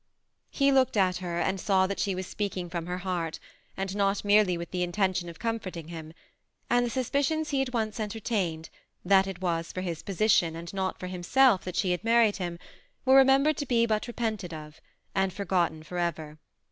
He looked at her and saw that she was speaking irom her heart, and not merely with the intention of comforting him ; and the suspicions he had once enter tained, that it was for his position, and not for himself, that she had married him, were remembered but to be repented of, and forgotten forever.